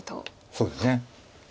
そうですね。